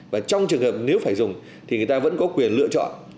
và trong trường hợp nếu phải dùng thì người ta vẫn có quyền lựa chọn